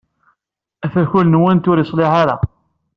Afakul-nwent ur yeṣliḥ ara.